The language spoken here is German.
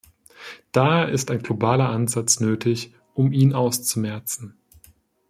Daher ist ein globaler Ansatz nötig, um ihn auszumerzen.